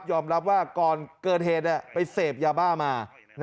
รับว่าก่อนเกิดเหตุไปเสพยาบ้ามา